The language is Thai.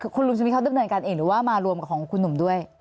คุณลุงชุวิตเขาดำเนินการเองหรือว่ามารวมกับของคุณหนุ่มด้วย